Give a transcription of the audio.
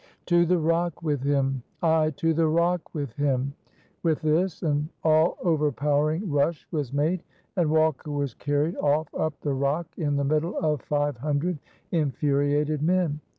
"To the rock with him!" "Ay, to the rock with him." With this, an all overpowering rush was made, and Walker was carried off up the rock in the middle of five hundred infuriated men.